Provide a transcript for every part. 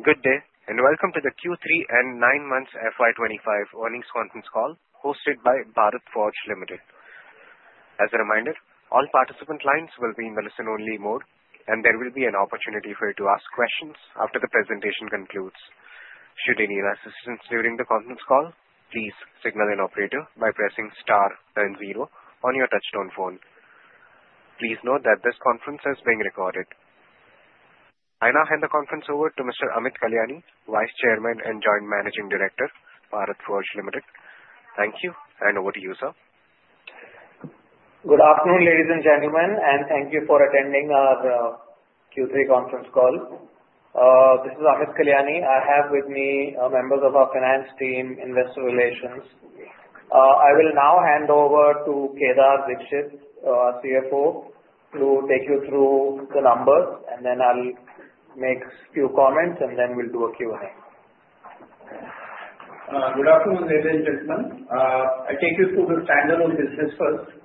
Good day, and welcome to the Q3 and 9 Months FY25 Earnings Conference Call hosted by Bharat Forge Limited. As a reminder, all participant lines will be in the listen-only mode, and there will be an opportunity for you to ask questions after the presentation concludes. Should you need assistance during the conference call, please signal an operator by pressing star and zero on your touch-tone phone. Please note that this conference is being recorded. I now hand the conference over to Mr. Amit Kalyani, Vice Chairman and Joint Managing Director, Bharat Forge Limited. Thank you, and over to you, sir. Good afternoon, ladies and gentlemen, and thank you for attending our Q3 conference call. This is Amit Kalyani. I have with me members of our finance team, investor relations. I will now hand over to Kedar Dixit, CFO, to take you through the numbers, and then I'll make a few comments, and then we'll do a Q&A. Good afternoon, ladies and gentlemen. I'll take you through the stand-alone business first.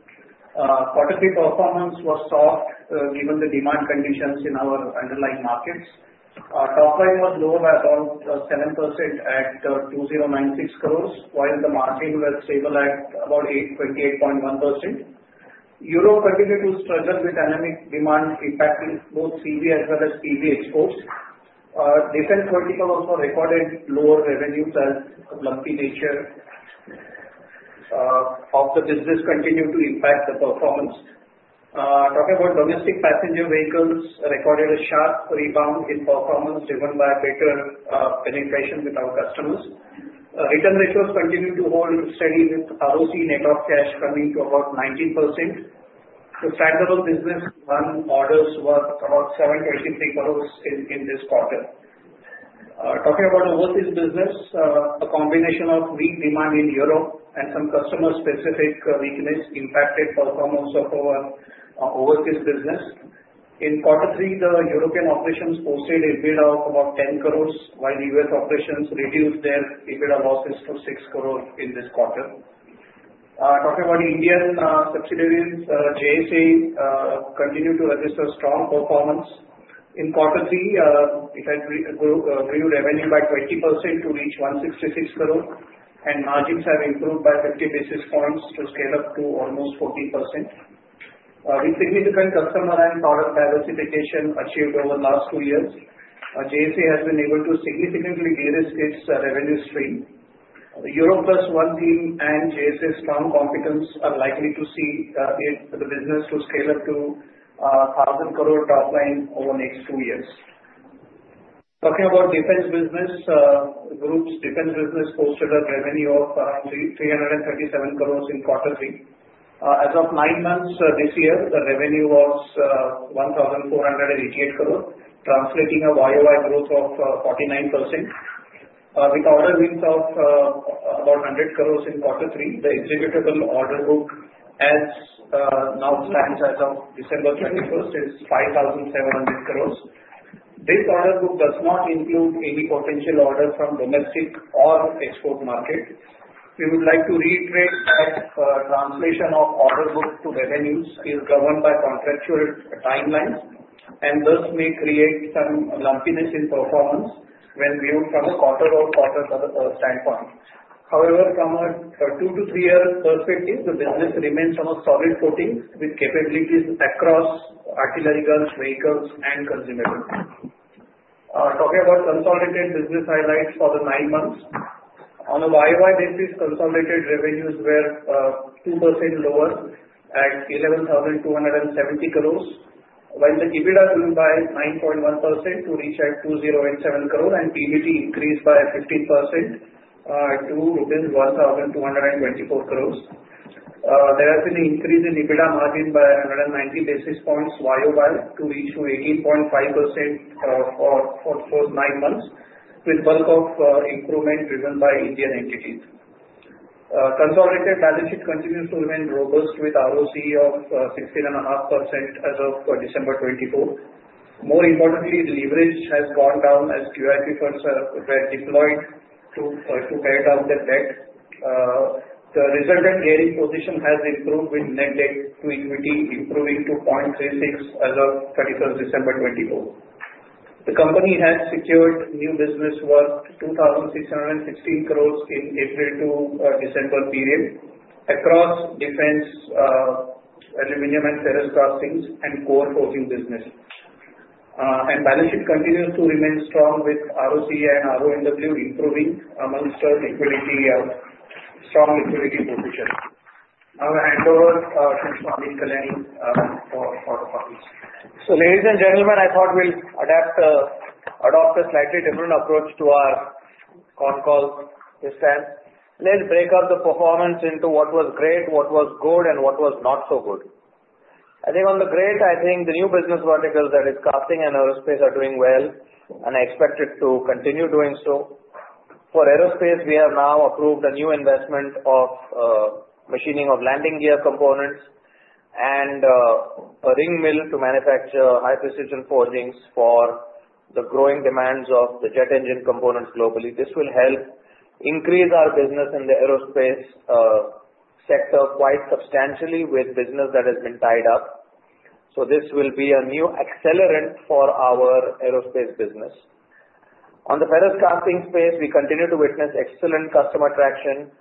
Quarterly performance was soft given the demand conditions in our underlying markets. Our top line was lower by about 7% at 2,096 crores, while the margin was stable at about 28.1%. Europe continued to struggle with dynamic demand impacting both CV as well as PV exports. Defense vertical also recorded lower revenues as a lumpy nature of the business continued to impact the performance. Talking about domestic passenger vehicles, I recorded a sharp rebound in performance driven by better penetration with our customers. Return ratios continued to hold steady with ROC net of cash coming to about 19%. The stand-alone business won orders worth about 723 crores in this quarter. Talking about overseas business, a combination of weak demand in Europe and some customer-specific weakness impacted performance of our overseas business. In Quarter 3, the European operations posted EBITDA of about 10 crores, while U.S. operations reduced their EBITDA losses to 6 crores in this quarter. Talking about Indian subsidiaries, JSA continued to register strong performance. In Quarter 3, it had grew revenue by 20% to reach 166 crores, and margins have improved by 50 basis points to scale up to almost 14%. With significant customer and product diversification achieved over the last two years, JSA has been able to significantly de-risk its revenue stream. Europe Plus One team and JSA's strong competence are likely to see the business scale up to 1,000 crore top line over the next two years. Talking about defense business groups, defense business posted a revenue of around 337 crores in Quarter 3. As of 9 Months this year, the revenue was 1,488 crores, translating a YoY growth of 49%. With order wins of about 100 crores in Quarter 3, the executable order book as now stands as of December 31st is 5,700 crores. This order book does not include any potential orders from domestic or export market. We would like to reiterate that translation of order book to revenues is governed by contractual timelines, and thus may create some lumpiness in performance when viewed from a quarter-over-quarter standpoint. However, from a two to three-year perspective, the business remains on a solid footing with capabilities across artillery guns, vehicles, and consumables. Talking about consolidated business highlights for the nine months, on a YoY basis, consolidated revenues were 2% lower at 11,270 crores, while the EBITDA grew by 9.1% to reach 2,087 crores, and PBT increased by 15% to Rs 1,224 crores. There has been an increase in EBITDA margin by 190 basis points YoY to reach 18.5% for nine months, with bulk of improvement driven by Indian entities. Consolidated balance sheet continues to remain robust with ROCE of 16.5% as of December 2024. More importantly, the leverage has gone down as QIP funds were deployed to pay down the debt. The resultant gearing position has improved with net debt to equity improving to 0.36 as of 31st December 2024. The company has secured new business worth 2,616 crores in April to December period across defense, aluminum, and ferrous castings and core coating business. Balance sheet continues to remain strong with ROCE and RONW improving amongst strong liquidity position. I will hand over to Amit Kalyani for the conference. Ladies and gentlemen, I thought we'll adopt a slightly different approach to our conference this time. Let's break up the performance into what was great, what was good, and what was not so good. I think on the great, I think the new business verticals that is, casting and aerospace are doing well, and I expect it to continue doing so. For aerospace, we have now approved a new investment of machining of landing gear components and a ring mill to manufacture high-precision forgings for the growing demands of the jet engine components globally. This will help increase our business in the aerospace sector quite substantially with business that has been tied up. This will be a new accelerant for our aerospace business. On the ferrous casting space, we continue to witness excellent customer traction.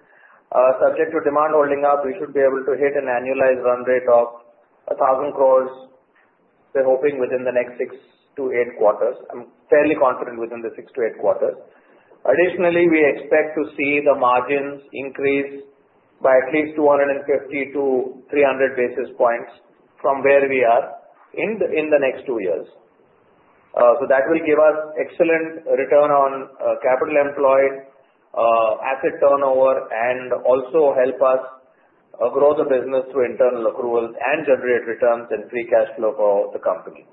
Subject to demand holding up, we should be able to hit an annualized run rate of 1,000 crores. We're hoping within the next six to eight quarters. I'm fairly confident within the six to eight quarters. Additionally, we expect to see the margins increase by at least 250-300 basis points from where we are in the next two years. So that will give us excellent return on capital employed, asset turnover, and also help us grow the business through internal accruals and generate returns and free cash flow for the company.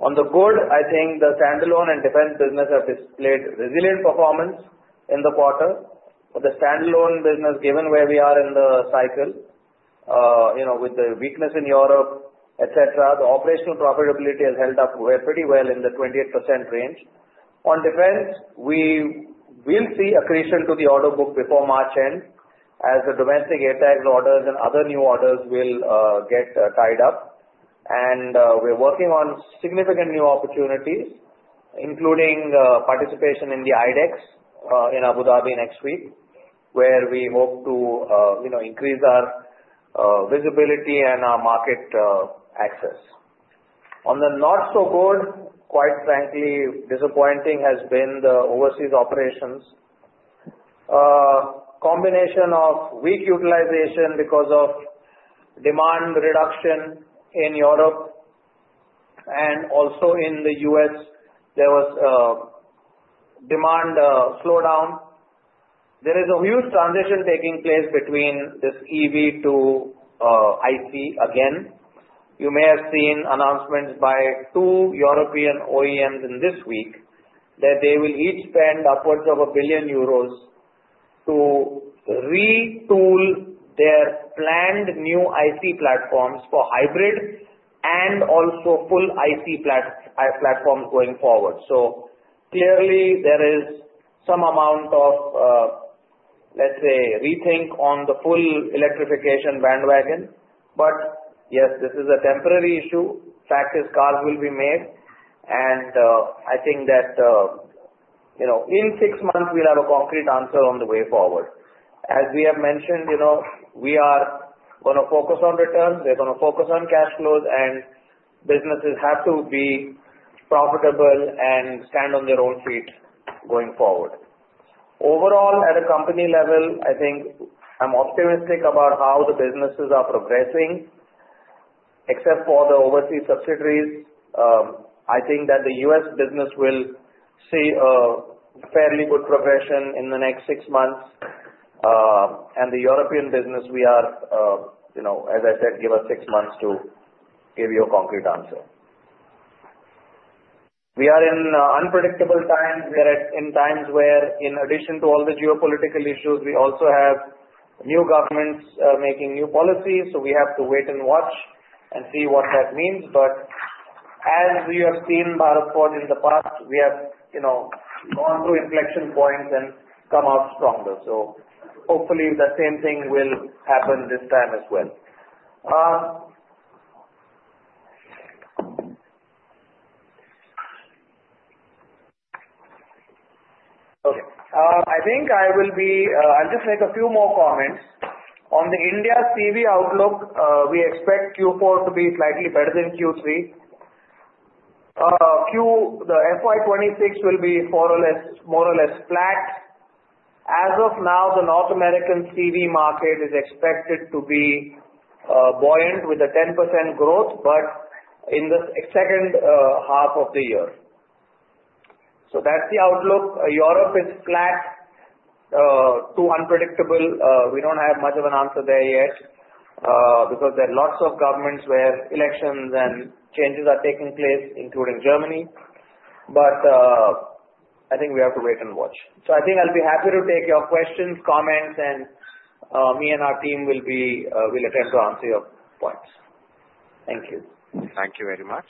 On the good, I think the stand-alone and defense business have displayed resilient performance in the quarter. The stand-alone business, given where we are in the cycle with the weakness in Europe, etc., the operational profitability has held up pretty well in the 28% range. On defense, we will see accretion to the order book before March end as the domestic ATAGS orders and other new orders will get tied up. And we're working on significant new opportunities, including participation in the IDEX in Abu Dhabi next week, where we hope to increase our visibility and our market access. On the not so good, quite frankly, disappointing has been the overseas operations. Combination of weak utilization because of demand reduction in Europe and also in the U.S., there was demand slowdown. There is a huge transition taking place between this EV to IC again. You may have seen announcements by two European OEMs in this week that they will each spend upwards of 1 billion euros to retool their planned new IC platforms for hybrid and also full IC platforms going forward. So clearly, there is some amount of, let's say, rethink on the full electrification bandwagon. But yes, this is a temporary issue. Fact is, cars will be made, and I think that in six months, we'll have a concrete answer on the way forward. As we have mentioned, we are going to focus on returns. We're going to focus on cash flows, and businesses have to be profitable and stand on their own feet going forward. Overall, at a company level, I think I'm optimistic about how the businesses are progressing, except for the overseas subsidiaries. I think that the US business will see a fairly good progression in the next six months, and the European business, we are, as I said, give us six months to give you a concrete answer. We are in unpredictable times. We are in times where, in addition to all the geopolitical issues, we also have new governments making new policies, so we have to wait and watch and see what that means. But as you have seen, Bharat Forge in the past, we have gone through inflection points and come out stronger. So hopefully, the same thing will happen this time as well. Okay. I think I'll just make a few more comments. On the India CV outlook, we expect Q4 to be slightly better than Q3. The FY26 will be more or less flat. As of now, the North American CV market is expected to be buoyant with a 10% growth, but in the second half of the year. So that's the outlook. Europe is flat to unpredictable. We don't have much of an answer there yet because there are lots of governments where elections and changes are taking place, including Germany. But I think we have to wait and watch. So I think I'll be happy to take your questions, comments, and me and our team will attempt to answer your points. Thank you. Thank you very much.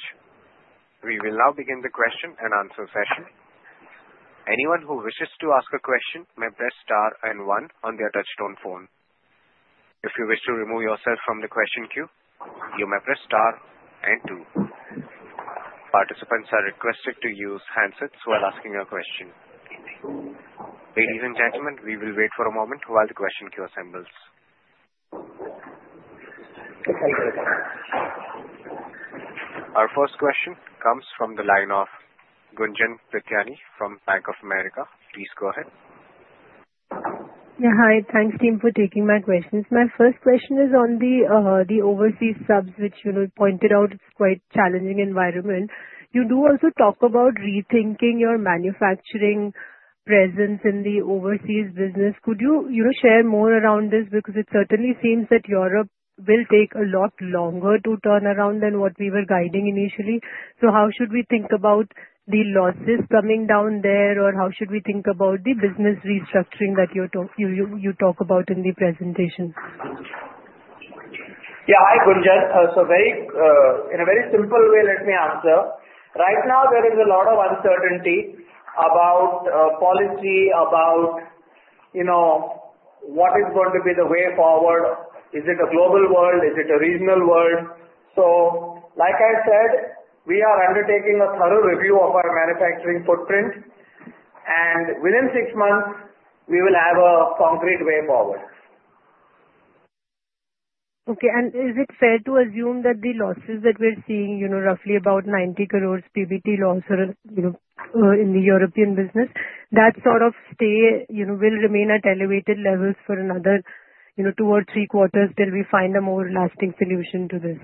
We will now begin the question and answer session. Anyone who wishes to ask a question may press star and one on their touch-tone phone. If you wish to remove yourself from the question queue, you may press star and two. Participants are requested to use handsets while asking a question. Ladies and gentlemen, we will wait for a moment while the question queue assembles. Our first question comes from the line of Gunjan Prithyani from Bank of America. Please go ahead. Yeah, hi. Thanks, team, for taking my questions. My first question is on the overseas subs, which you pointed out, it's quite a challenging environment. You do also talk about rethinking your manufacturing presence in the overseas business. Could you share more around this? Because it certainly seems that Europe will take a lot longer to turn around than what we were guiding initially. So how should we think about the losses coming down there, or how should we think about the business restructuring that you talk about in the presentation? Yeah, hi, Gunjan. So in a very simple way, let me answer. Right now, there is a lot of uncertainty about policy, about what is going to be the way forward. Is it a global world? Is it a regional world? So like I said, we are undertaking a thorough review of our manufacturing footprint, and within six months, we will have a concrete way forward. Okay. And is it fair to assume that the losses that we're seeing, roughly about 90 crores PBT loss in the European business, that sort of will remain at elevated levels for another two or three quarters till we find a more lasting solution to this?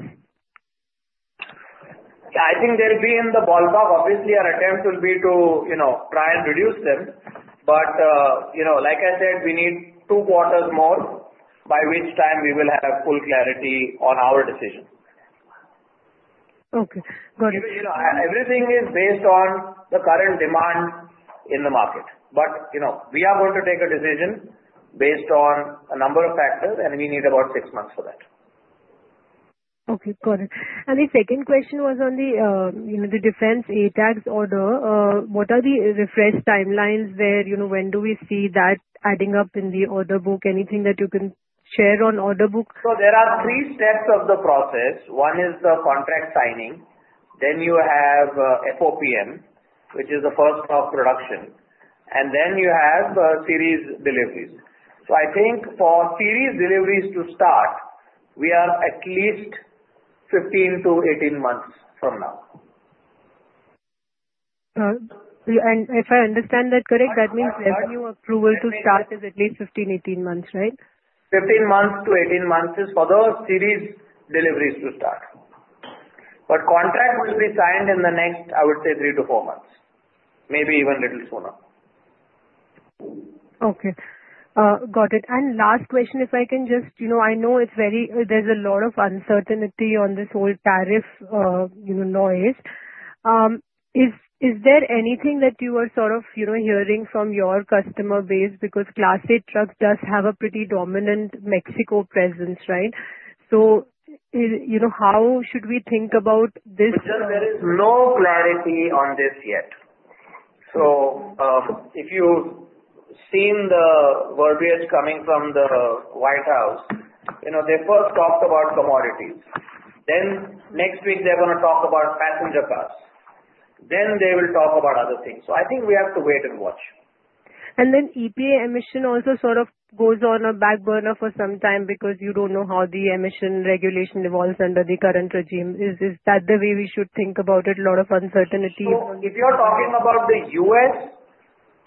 Yeah, I think they'll be in the ballpark. Obviously, our attempt will be to try and reduce them. But like I said, we need two quarters more by which time we will have full clarity on our decision. Okay. Got it. Everything is based on the current demand in the market. But we are going to take a decision based on a number of factors, and we need about six months for that. Okay. Got it. And the second question was on the defense ATAGS order. What are the refresh timelines? When do we see that adding up in the order book? Anything that you can share on order book? So there are three steps of the process. One is the contract signing. Then you have FOPM, which is the first of production. And then you have series deliveries. So I think for series deliveries to start, we are at least 15-18 months from now. If I understand that correctly, that means revenue approval to start is at least 15-18 months, right? 15 months to 18 months is for those series deliveries to start, but contract will be signed in the next, I would say, three to four months, maybe even a little sooner. Okay. Got it. And last question, if I can just I know there's a lot of uncertainty on this whole tariff noise. Is there anything that you are sort of hearing from your customer base? Because Class 8 trucks does have a pretty dominant Mexico presence, right? So how should we think about this? There is no clarity on this yet, so if you've seen the verbiage coming from the White House, they first talked about commodities, then next week, they're going to talk about passenger cars, then they will talk about other things, so I think we have to wait and watch. And then EPA emission also sort of goes on a back burner for some time because you don't know how the emission regulation evolves under the current regime. Is that the way we should think about it? A lot of uncertainty. If you're talking about the U.S.,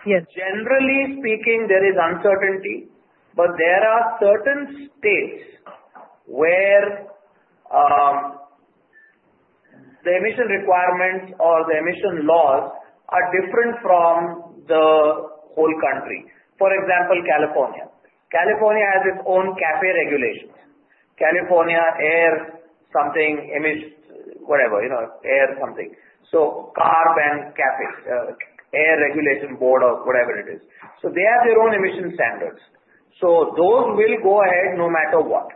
generally speaking, there is uncertainty. But there are certain states where the emission requirements or the emission laws are different from the whole country. For example, California. California has its own Capex regulations. California Air Resources Board, whatever, Air Resources Board. So CARB and Capex, Air Resources Board or whatever it is. So they have their own emission standards. So those will go ahead no matter what.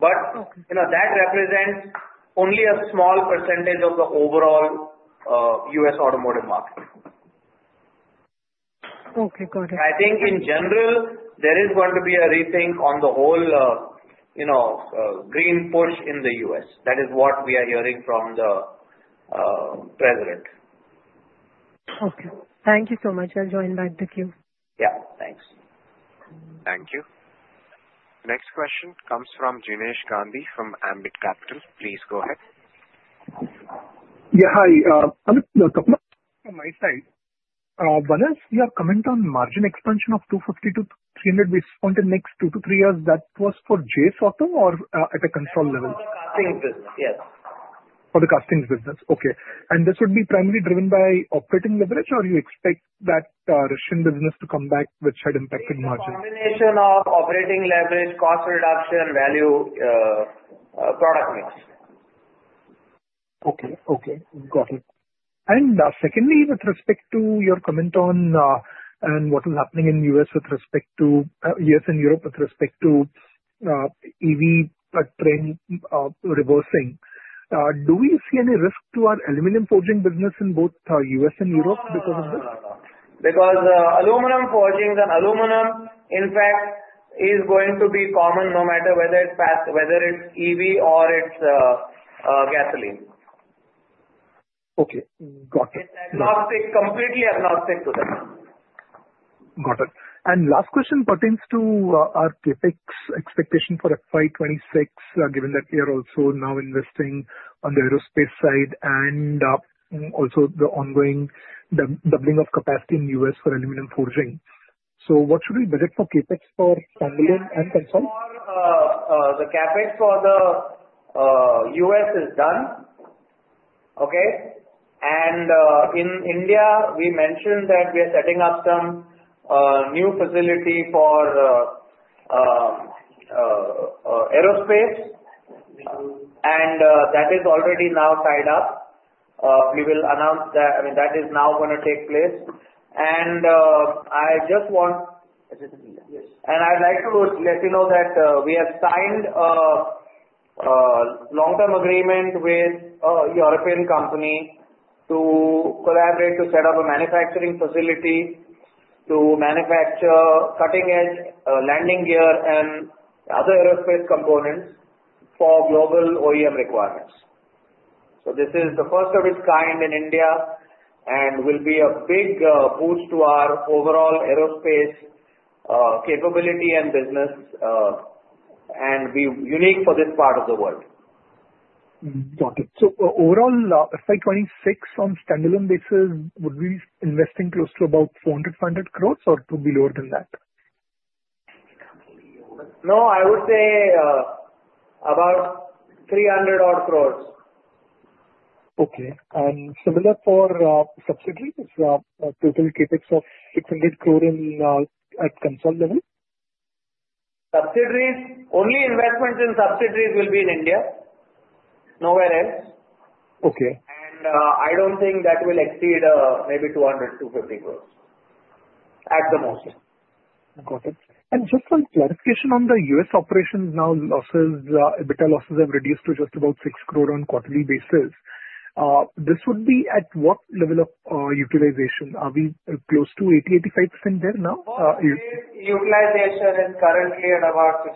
But that represents only a small percentage of the overall U.S. automotive market. Okay. Got it. I think in general, there is going to be a rethink on the whole green push in the U.S. That is what we are hearing from the president. Okay. Thank you so much. I'll join back the queue. Yeah. Thanks. Thank you. Next question comes from Gyanesh Gandhi from Ambit Capital. Please go ahead. Yeah, hi. On my side, Gyanesh, your comment on margin expansion of 250-300 based on the next two to three years, that was for JS Auto or at a consolidated level? For the casting business, yes. For the casting business. Okay, and this would be primarily driven by operating leverage, or you expect that Russian business to come back, which had impacted margins? Combination of operating leverage, cost reduction, value, product mix. Okay. Okay. Got it. And secondly, with respect to your comment on what was happening in the U.S. with respect to U.S. and Europe with respect to EV reversing, do we see any risk to our aluminum forging business in both U.S. and Europe because of this? Because aluminum forging and aluminum, in fact, is going to be common no matter whether it's EV or it's gasoline. Okay. Got it. Completely agnostic to them. Got it. And last question pertains to our Capex expectation for FY26, given that we are also now investing on the aerospace side and also the ongoing doubling of capacity in the U.S. for aluminum forging. So what should we budget for Capex for standalone and consolidated? The CAFE for the U.S. is done. Okay. And in India, we mentioned that we are setting up some new facility for aerospace, and that is already now tied up. We will announce that. I mean, that is now going to take place. And I just want, and I'd like to let you know that we have signed a long-term agreement with a European company to collaborate to set up a manufacturing facility to manufacture cutting-edge landing gear and other aerospace components for global OEM requirements. So this is the first of its kind in India and will be a big boost to our overall aerospace capability and business and be unique for this part of the world. Got it. So overall, FY26 on standalone basis, would we be investing close to about 400-500 crores or to be lower than that? No, I would say about 300 odd crores. Okay. And similar for subsidiaries, total KPICs of 600 crores at consolidated level? Only investments in subsidiaries will be in India. Nowhere else. And I don't think that will exceed maybe 200-250 crores at the most. Got it. And just one clarification on the U.S. operations now, but the losses have reduced to just about six crores on quarterly basis. This would be at what level of utilization? Are we close to 80%-85% there now? Utilization is currently at about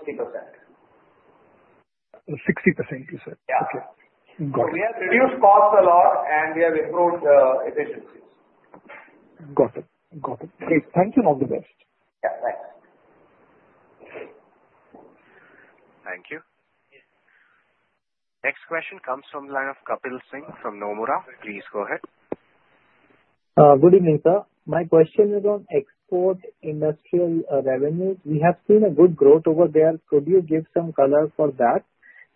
60%. 60%, you said. Yeah. Okay. Got it. So we have reduced costs a lot, and we have improved efficiencies. Got it. Got it. Great. Thank you. All the best. Yeah. Thanks. Thank you. Next question comes from the line of Kapil Singh from Nomura. Please go ahead. Good evening, sir. My question is on export industrial revenues. We have seen a good growth over there. Could you give some color for that?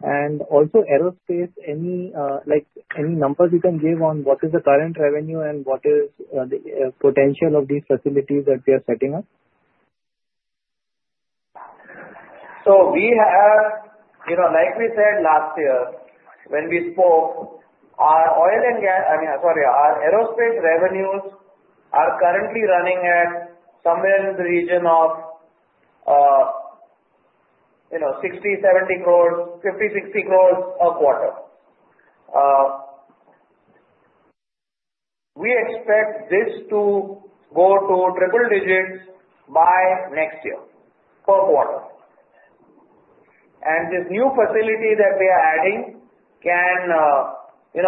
And also aerospace, any numbers you can give on what is the current revenue and what is the potential of these facilities that we are setting up? So we have, like we said last year when we spoke, our oil and gas, I mean, sorry, our aerospace revenues are currently running at somewhere in the region of INR 60-70 crores, INR 50-60 crores a quarter. We expect this to go to triple digits by next year per quarter. And this new facility that we are adding can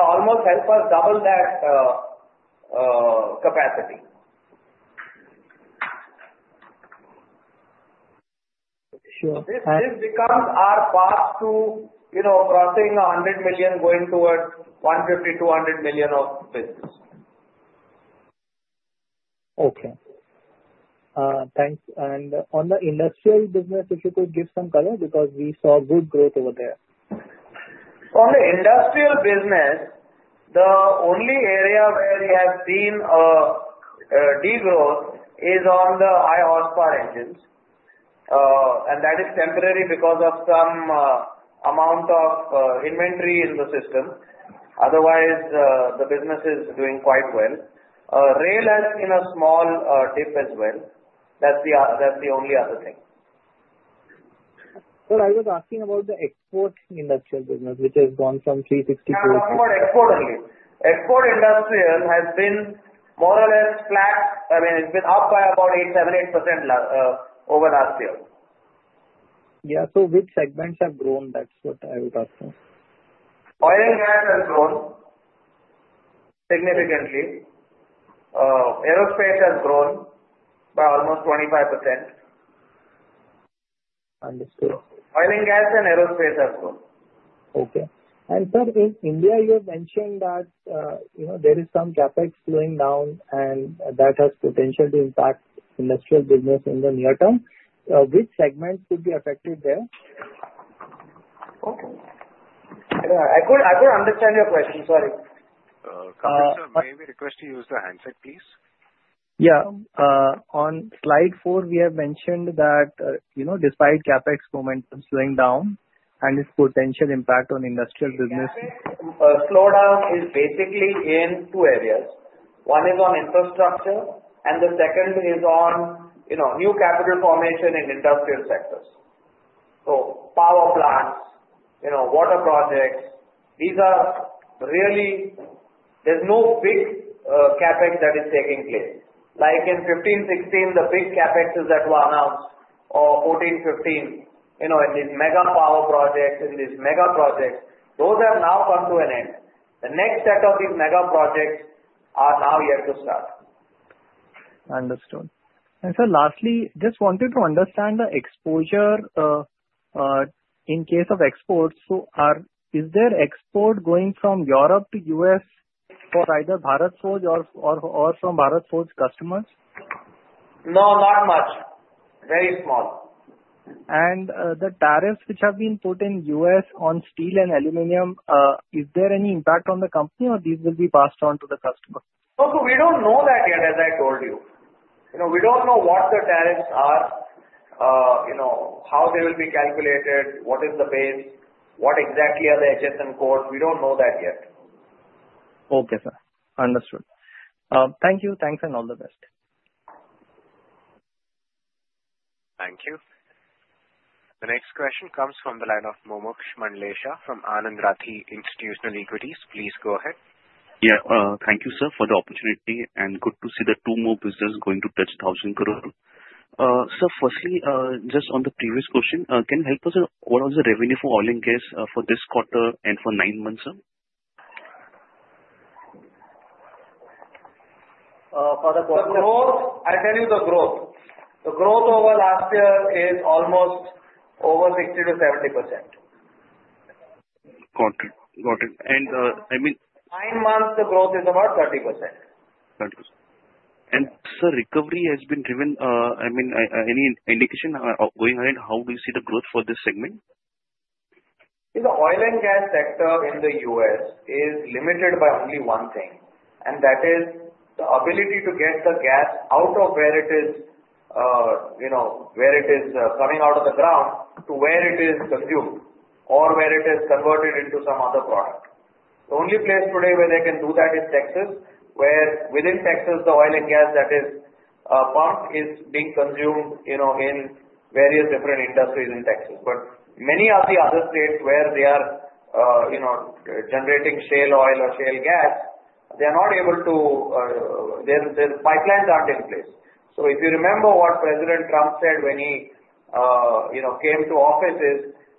almost help us double that capacity. This becomes our path to crossing $100 million, going towards $150 million-$200 million of business. Okay. Thanks. And on the industrial business, if you could give some color because we saw good growth over there. On the industrial business, the only area where we have seen degrowth is on the high horsepower engines. And that is temporary because of some amount of inventory in the system. Otherwise, the business is doing quite well. Rail has been a small dip as well. That's the only other thing. I was asking about the export industrial business, which has gone from 360 crores. Export only. Export industrial has been more or less flat. I mean, it's been up by about 7-8% over last year. Yeah. So which segments have grown? That's what I was asking. Oil and gas has grown significantly. Aerospace has grown by almost 25%. Oil and gas and aerospace have grown. Okay. And sir, in India, you have mentioned that there is some CAPEX flowing down, and that has potentially impacted industrial business in the near term. Which segments could be affected there? I couldn't understand your question. Sorry. Kapil sir, may we request to use the handset, please? Yeah. On slide four, we have mentioned that despite CAPEX momentum slowing down and its potential impact on industrial business. Slowdown is basically in two areas. One is on infrastructure, and the second is on new capital formation in industrial sectors. So power plants, water projects. There's no big CAPEX that is taking place. Like in 2015, 2016, the big CAPEXes that were announced or 2014, 2015 in these mega power projects, in these mega projects, those have now come to an end. The next set of these mega projects are now yet to start. Understood. And sir, lastly, just wanted to understand the exposure in case of exports. Is there export going from Europe to U.S. for either Bharat Forge or from Bharat Forge customers? No, not much. Very small. The tariffs which have been put in U.S. on steel and aluminum, is there any impact on the company, or these will be passed on to the customer? No, we don't know that yet, as I told you. We don't know what the tariffs are, how they will be calculated, what is the base, what exactly are the HSN codes. We don't know that yet. Okay, sir. Understood. Thank you. Thanks and all the best. Thank you. The next question comes from the line of Mumuksh Mandlesha from Anand Rathi Institutional Equities. Please go ahead. Yeah. Thank you, sir, for the opportunity. And good to see the two more businesses going to touch 1,000 crore. Sir, firstly, just on the previous question, can you help us out on the revenue for oil and gas for this quarter and for nine months, sir? For the quarter? The growth, I tell you the growth. The growth over last year is almost over 60%-70%. Got it. Got it. And I mean. Nine months, the growth is about 30%. 30%. Sir, recovery has been driven. I mean, any indication going ahead? How do you see the growth for this segment? The oil and gas sector in the U.S. is limited by only one thing. And that is the ability to get the gas out of where it is, where it is coming out of the ground to where it is consumed or where it is converted into some other product. The only place today where they can do that is Texas, where within Texas, the oil and gas that is pumped is being consumed in various different industries in Texas. But many of the other states where they are generating shale oil or shale gas, they are not able to, their pipelines aren't in place. So if you remember what President Trump said when he came to office,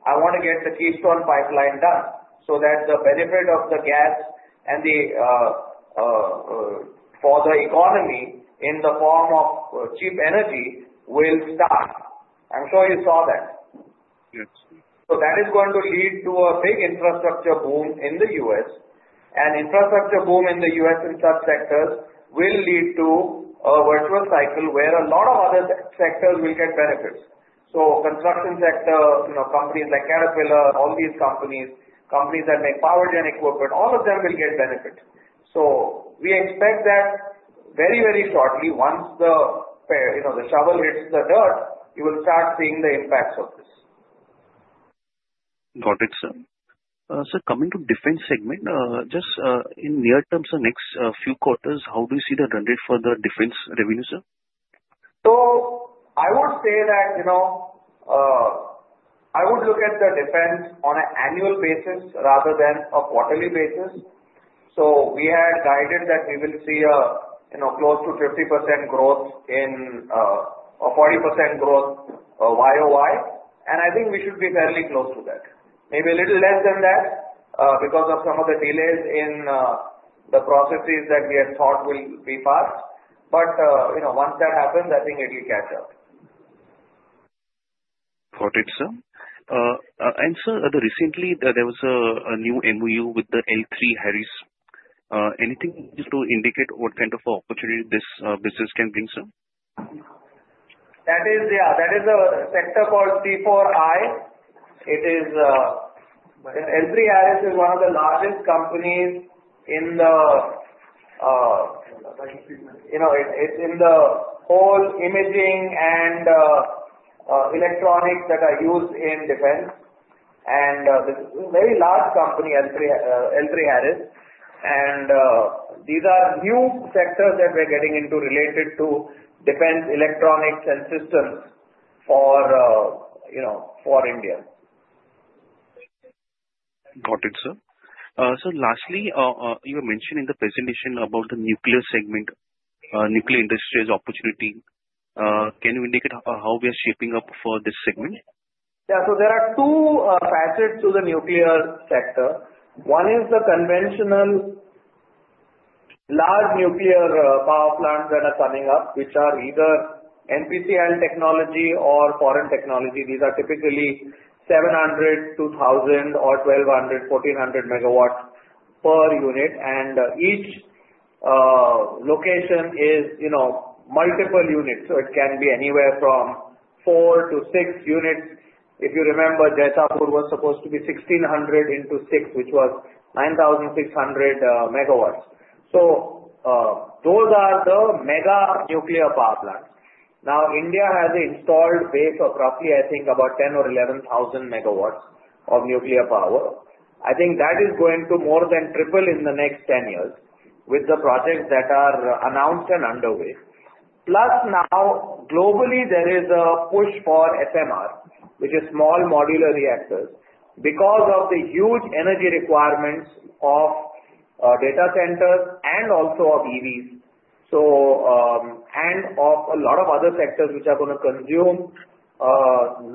"I want to get the Keystone Pipeline done so that the benefit of the gas and for the economy in the form of cheap energy will start." I'm sure you saw that. So that is going to lead to a big infrastructure boom in the U.S. And infrastructure boom in the U.S. in such sectors will lead to a virtuous cycle where a lot of other sectors will get benefits. So construction sector, companies like Caterpillar, all these companies, companies that make power generator equipment, all of them will get benefit. So we expect that very, very shortly, once the shovel hits the dirt, you will start seeing the impacts of this. Got it, sir. Sir, coming to defense segment, just in near term, the next few quarters, how do you see the run rate for the defense revenue, sir? So I would say that I would look at the defense on an annual basis rather than a quarterly basis. So we had guided that we will see close to 50% growth, or 40% growth YoY. And I think we should be fairly close to that. Maybe a little less than that because of some of the delays in the processes that we had thought will be fast. But once that happens, I think it will catch up. Got it, sir. And sir, recently, there was a new MOU with the L3Harris. Anything to indicate what kind of opportunity this business can bring, sir? That is a sector called C4I. L3Harris is one of the largest companies in the. It's in the whole imaging and electronics that are used in defense. And this is a very large company, L3Harris. And these are new sectors that we're getting into related to defense electronics and systems for India. Got it, sir. Sir, lastly, you were mentioning in the presentation about the nuclear segment, nuclear industry's opportunity. Can you indicate how we are shaping up for this segment? Yeah. So there are two facets to the nuclear sector. One is the conventional large nuclear power plants that are coming up, which are either NPCIL technology or foreign technology. These are typically 700-1,000 or 1,200-1,400 megawatts per unit. And each location is multiple units. So it can be anywhere from four-six units. If you remember, Jaitapur was supposed to be 1,600 into six, which was 9,600 megawatts. So those are the mega nuclear power plants. Now, India has installed base of roughly, I think, about 10 or 11,000 megawatts of nuclear power. I think that is going to more than triple in the next 10 years with the projects that are announced and underway. Plus, now, globally, there is a push for SMR, which is small modular reactors, because of the huge energy requirements of data centers and also of EVs and of a lot of other sectors which are going to consume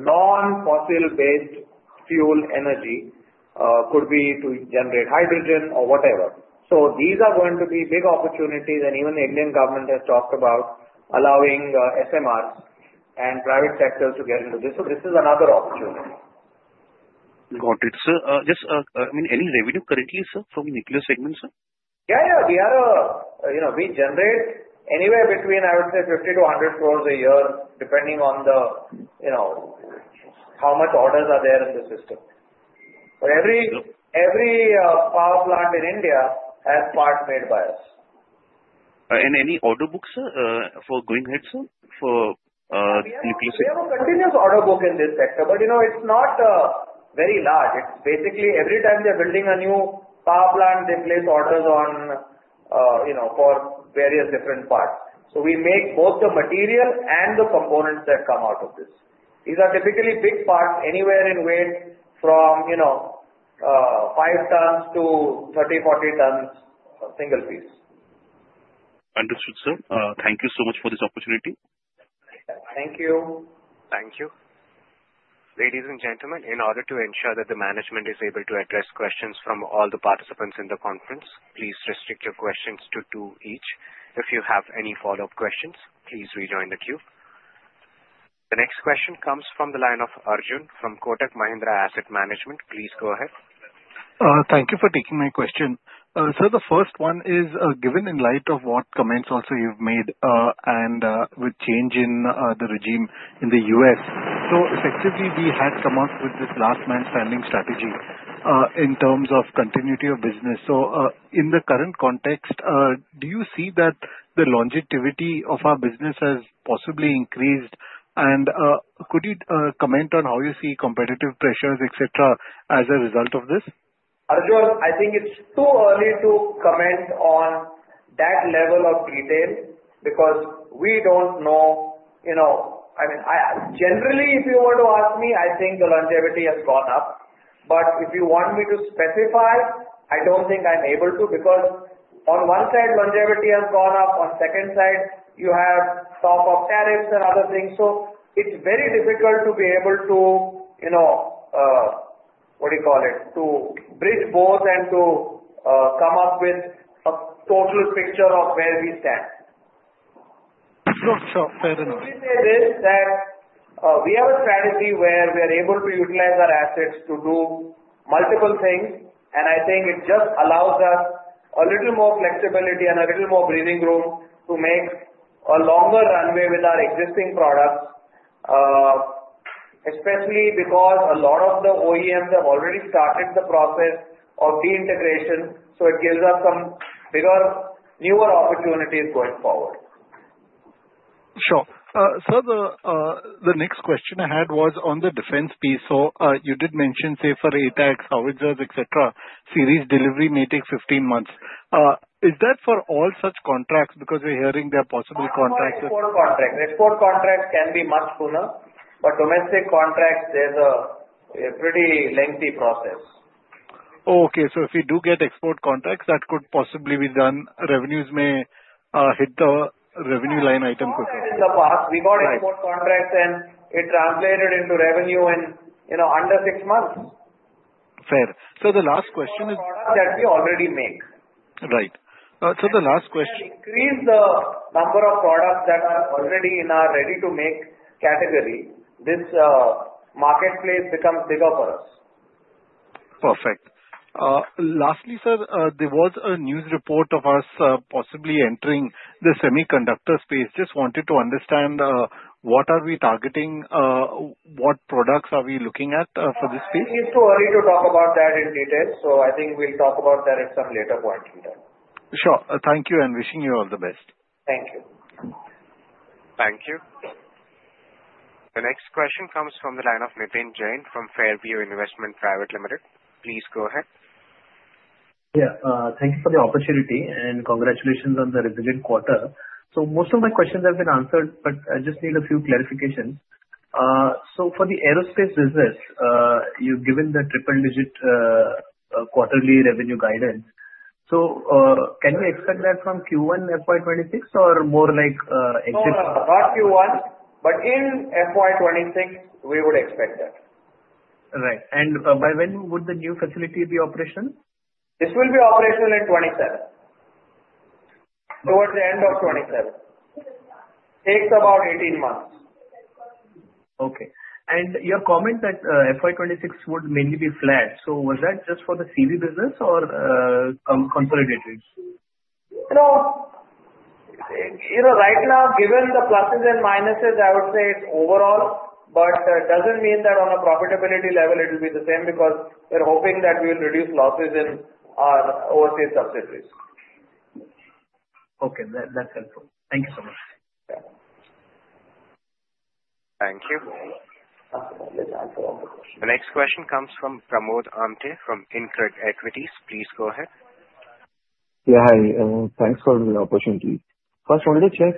non-fossil-based fuel energy. It could be to generate hydrogen or whatever. So these are going to be big opportunities. And even the Indian government has talked about allowing SMRs and private sectors to get into this. So this is another opportunity. Got it. Sir, just, I mean, any revenue currently, sir, from nuclear segment, sir? Yeah, yeah. We generate anywhere between, I would say, 50-100 crores a year, depending on how much orders are there in the system. But every power plant in India has part made by us. Any order books, sir, for going ahead, sir, for nuclear? We have a continuous order book in this sector. But it's not very large. It's basically every time they're building a new power plant, they place orders for various different parts. So we make both the material and the components that come out of this. These are typically big parts anywhere in weight from five tons to 30-40 tons single piece. Understood, sir. Thank you so much for this opportunity. Thank you. Thank you. Ladies and gentlemen, in order to ensure that the management is able to address questions from all the participants in the conference, please restrict your questions to two each. If you have any follow-up questions, please rejoin the queue. The next question comes from the line of Arjun from Kotak Mahindra Asset Management. Please go ahead. Thank you for taking my question. Sir, the first one is given in light of what comments also you've made and with change in the regime in the U.S. So effectively, we had come up with this last man standing strategy in terms of continuity of business. So in the current context, do you see that the longevity of our business has possibly increased? And could you comment on how you see competitive pressures, etc., as a result of this? Arjun, I think it's too early to comment on that level of detail because we don't know. I mean, generally, if you were to ask me, I think the longevity has gone up. But if you want me to specify, I don't think I'm able to because on one side, longevity has gone up. On the second side, you have talk of tariffs and other things. So it's very difficult to be able to, what do you call it, to bridge both and to come up with a total picture of where we stand. Sure, sir. Fair enough. I would say that we have a strategy where we are able to utilize our assets to do multiple things. I think it just allows us a little more flexibility and a little more breathing room to make a longer runway with our existing products, especially because a lot of the OEMs have already started the process of de-integration. It gives us some bigger, newer opportunities going forward. Sure. Sir, the next question I had was on the defense piece. So you did mention, say, for ATAGS, howitzers, etc., series delivery may take 15 months. Is that for all such contracts? Because we're hearing there are possible contracts. Export contracts. Export contracts can be much sooner. But domestic contracts, there's a pretty lengthy process. Okay. So if we do get export contracts, that could possibly be done. Revenues may hit the revenue line item quicker. In the past, we got export contracts, and it translated into revenue in under six months. Fair. So the last question is. The products that we already make. Right. So the last question. If we increase the number of products that are already in our ready-to-make category, this marketplace becomes bigger for us. Perfect. Lastly, sir, there was a news report of us possibly entering the semiconductor space. Just wanted to understand what are we targeting? What products are we looking at for this space? We need to hurry to talk about that in detail. So I think we'll talk about that at some later point in time. Sure. Thank you, and wishing you all the best. Thank you. Thank you. The next question comes from the line of Nitin Jain from Fairview Investment Private Limited. Please go ahead. Yeah. Thank you for the opportunity. And congratulations on the resilient quarter. So most of my questions have been answered, but I just need a few clarifications. So for the aerospace business, you've given the triple-digit quarterly revenue guidance. So can we expect that from Q1 FY26 or more like exit? Not Q1, but in FY26, we would expect that. Right. And by when would the new facility be operational? This will be operational in 2027, towards the end of 2027. Takes about 18 months. Okay. And your comment that FY26 would mainly be flat, so was that just for the CV business or consolidated? No. Right now, given the pluses and minuses, I would say it's overall. But it doesn't mean that on a profitability level, it will be the same because we're hoping that we will reduce losses in our overseas subsidiaries. Okay. That's helpful. Thank you so much. Thank you. The next question comes from Pramod Amte from InCred Equities. Please go ahead. Yeah. Hi. Thanks for the opportunity. First, I wanted to check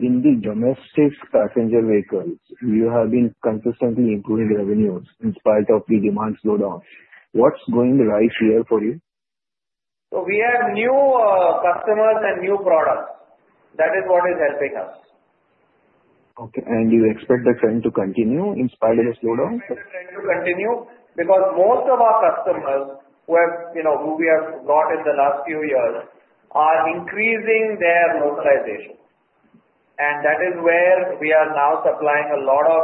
in the domestic passenger vehicles. You have been consistently improving revenues in spite of the demand slowdown. What's going right here for you? So we have new customers and new products. That is what is helping us. Okay. Do you expect the trend to continue in spite of the slowdown? We expect the trend to continue because most of our customers who we have got in the last few years are increasing their localization, and that is where we are now supplying a lot of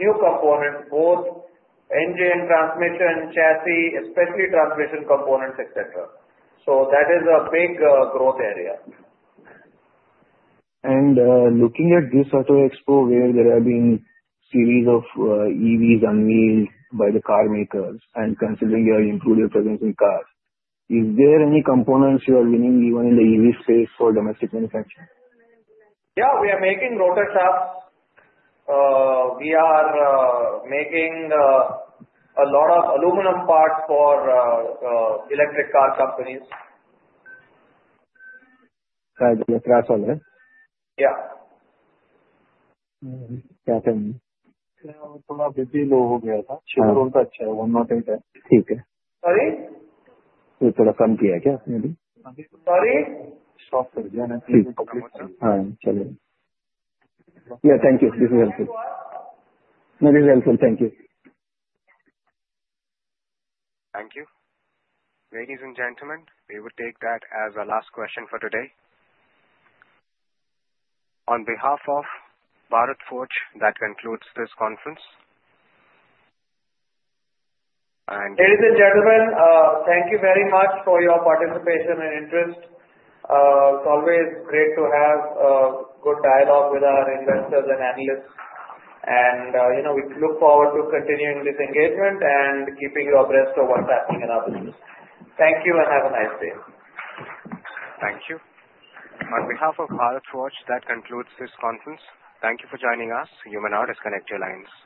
new components, both engine transmission, chassis, especially transmission components, etc., so that is a big growth area. Looking at this auto expo where there have been a series of EVs unveiled by the car makers and considering your improved presence in cars, is there any components you are winning even in the EV space for domestic manufacturing? Yeah. We are making rotor shafts. We are making a lot of aluminum parts for electric car companies. Right. The glass one, right? Yeah. Yeah. Thank you. थोड़ा busy हो गया था। Schedule तो अच्छा है। 108 है। ठीक है। Sorry? ये थोड़ा कम किया है क्या? Sorry? सॉफ्ट हो गया। Yeah. Thank you. This is helpful. This is helpful. Thank you. Thank you. Ladies and gentlemen, we will take that as our last question for today. On behalf of Bharat Forge, that concludes this conference. And. Ladies and gentlemen, thank you very much for your participation and interest. It's always great to have good dialogue with our investors and analysts. And we look forward to continuing this engagement and keeping you abreast of what's happening in our business. Thank you and have a nice day. Thank you. On behalf of Bharat Forge, that concludes this conference. Thank you for joining us. You may now disconnect your lines.